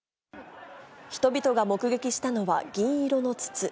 人々が目撃したのは銀色の筒。